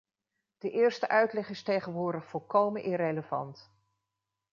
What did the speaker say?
De eerste uitleg is tegenwoordig volkomen irrelevant.